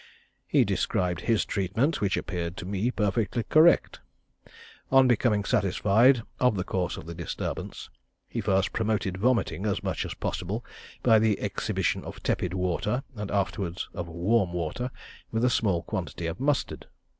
He described his treatment, which appeared to me perfectly correct. On becoming satisfied of the cause of the disturbance, he first promoted vomiting as much as possible by the exhibition of tepid water, and afterwards of warm water, with a small quantity of mustard.